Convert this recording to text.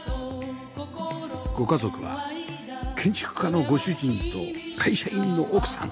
ご家族は建築家のご主人と会社員の奥さん